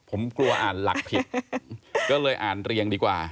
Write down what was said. ผมกลัวอ่านหลักผิดก็เลยอ่านเรียงดีกว่า